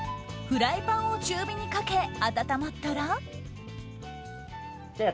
フライパンを中火にかけ温まったら。